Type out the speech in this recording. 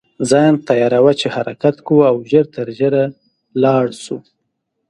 ځان تیاروه چې حرکت کوو او ژر تر ژره لاړ شو.